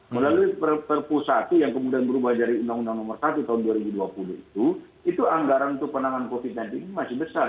melalui perpu satu yang kemudian berubah dari undang undang nomor satu tahun dua ribu dua puluh itu itu anggaran untuk penanganan covid sembilan belas ini masih besar